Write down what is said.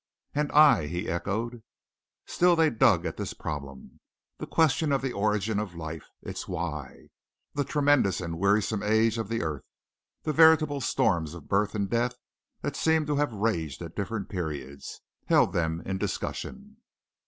"And I," he echoed. Still they dug at this problem, the question of the origin of life its why. The tremendous and wearisome age of the earth; the veritable storms of birth and death that seemed to have raged at different periods, held them in discussion.